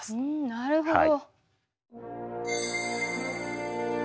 なるほど！